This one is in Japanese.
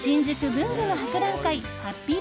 文具の博覧会ハッピー